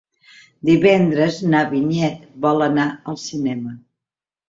Divendres na Vinyet vol anar al cinema.